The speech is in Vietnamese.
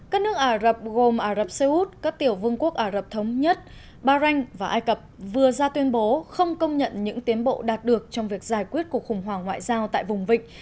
các nước ả rập gồm ả rập xê út các tiểu vương quốc ả rập thống nhất bahrain và ai cập vừa ra tuyên bố không công nhận những tiến bộ đạt được trong việc giải quyết cuộc khủng hoảng ngoại giao tại vùng vịnh